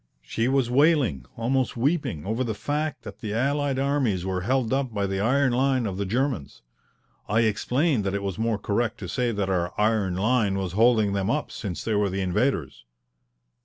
She was wailing, almost weeping, over the fact that the allied armies were held up by the iron line of the Germans. I explained that it was more correct to say that our iron line was holding them up, since they were the invaders.